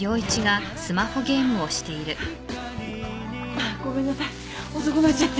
あっごめんなさい遅くなっちゃって。